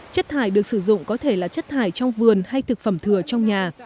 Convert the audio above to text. chất thải được sử dụng có thể là chất thải trong vườn hay thực phẩm thừa trong nhà